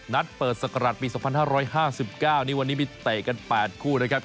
นัดเปิดศักราชปี๒๕๕๙นี่วันนี้มีเตะกัน๘คู่นะครับ